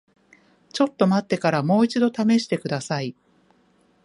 ちょっと待ってからもう一度試してください。